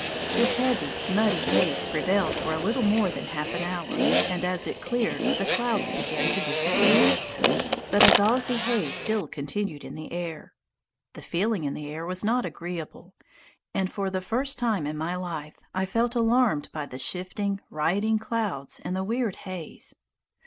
This heavy, muddy haze prevailed for a little more than half an hour, and as it cleared, the clouds began to disappear, but a gauzy haze still continued in the air. The feeling in the air was not agreeable, and for the first time in my life I felt alarmed by the shifting, rioting clouds and the weird haze.